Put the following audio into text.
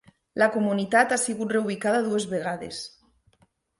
La comunitat ha sigut reubicada dues vegades.